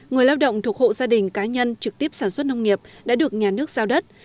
người lao động thuộc hộ gia đình cá nhân trực tiếp sản xuất nông nghiệp đã được nhà nước giao đất